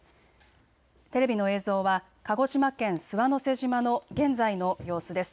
テレビの映像は鹿児島県諏訪之瀬島の現在の様子です。